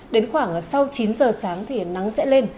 đến khoảng sau chín giờ sáng thì nắng sẽ lên